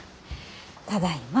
ただいま。